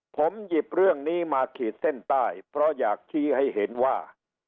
ผมหยิบเรื่องนี้มาขีดเส้นใต้เพราะอยากชี้ให้เห็นว่า